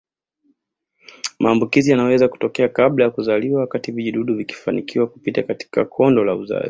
Maambukizi yanaweza kutokea kabla ya kuzaliwa wakati vijidudu vikifanikiwa kupita katika kondo la uzazi